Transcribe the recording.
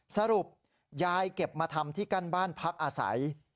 สรุปยายเก็บมาทำที่กั้นบ้านพักอาศัย